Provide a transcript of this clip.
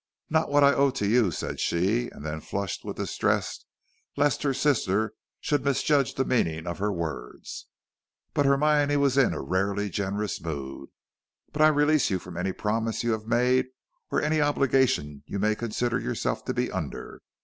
"Not what I owe to you," said she, and then flushed with distress lest her sister should misjudge the meaning of her words. But Hermione was in a rarely generous mood. "But I release you from any promise you have made or any obligations you may consider yourself to be under.